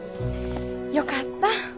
よかった。